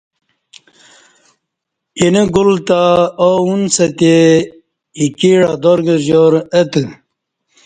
اینہ گل تہ آو انڅہ تے ایکی عدارگرجار اہ تہ